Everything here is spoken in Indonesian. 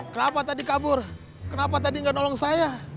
kenapa tadi kabur kenapa tadi nggak nolong saya